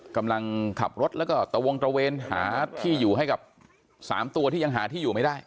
กำลังขับรถแล้วก็ตะวงตระเวนหาที่อยู่ให้กับ๓ตัวที่ยังหาที่อยู่ไม่ได้